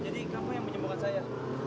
jadi kamu yang menyembuhkan saya